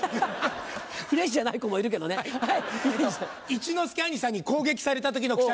一之輔兄さんに攻撃された時のくしゃみ。